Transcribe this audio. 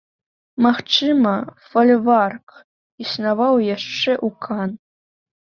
Магчыма, фальварак існаваў яшчэ ў кан.